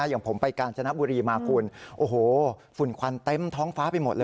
อย่างผมไปกาญจนบุรีมาคุณโอ้โหฝุ่นควันเต็มท้องฟ้าไปหมดเลย